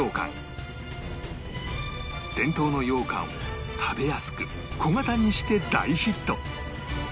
伝統の羊羹を食べやすく小形にして大ヒット